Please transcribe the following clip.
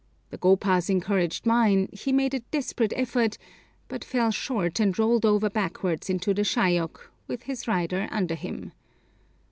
The gopas encouraged mine; he made a desperate effort, but fell short and rolled over backwards into the Shayok with his rider under him.